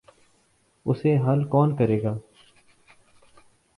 اسے حل کون کرے گا؟